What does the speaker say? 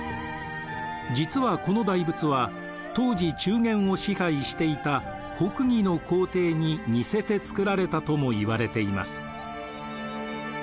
実はこの大仏は当時中原を支配していた北魏の皇帝に似せて作られたとも言われています。